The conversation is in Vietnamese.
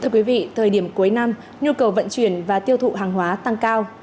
thưa quý vị thời điểm cuối năm nhu cầu vận chuyển và tiêu thụ hàng hóa tăng cao